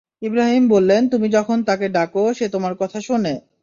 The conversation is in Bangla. ইব্রাহিম বললেন, তুমি যখন তাকে ডাক, সে তোমার কথা শোনে